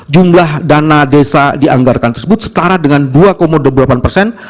jumlah dana desa dianggarkan tersebut setara dengan dua dua puluh delapan persen